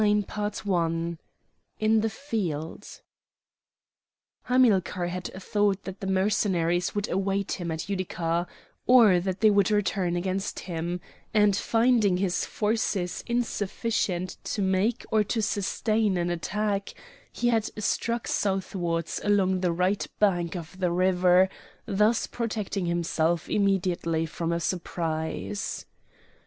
CHAPTER IX IN THE FIELD Hamilcar had thought that the Mercenaries would await him at Utica, or that they would return against him; and finding his forces insufficient to make or to sustain an attack, he had struck southwards along the right bank of the river, thus protecting himself immediately from a surprise.